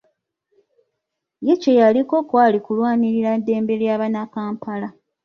Ye kye yaliko kwali kulwanirira ddembe lya Bannakampala .